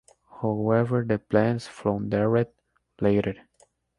However the plans floundered later.